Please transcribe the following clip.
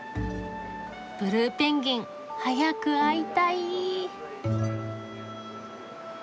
ブルーペンギン早く会いたい。